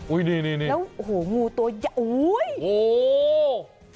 โอ้ยนี่นี่แล้วงูตัวใหญ่โอ๊ย